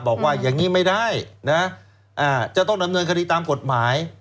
บอกว่าอย่างนี้ไม่ได้นะจะต้องดำเนินคดีตามกฎหมาย